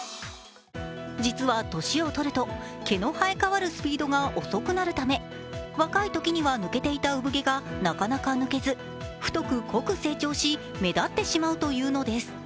実は、年をとると毛の生え替わるスピードが遅くなるため若いときには抜けていた産毛がなかなか抜けず太く濃く成長し目立ってしまうというのです。